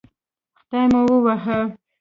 خدای مو ووهه